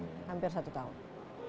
hampir satu tahun